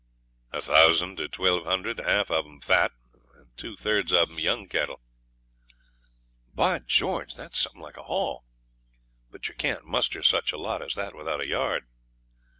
'A thousand or twelve hundred; half of 'em fat, and two thirds of them young cattle.' 'By George! that's something like a haul; but you can't muster such a lot as that without a yard.'